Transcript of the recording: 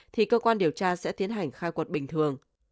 thì cơ quan điều tra sẽ tiến hành khai quật bình thường